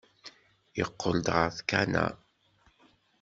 Yeqqel-d ɣer tkanna.